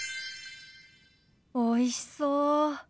おいしそう。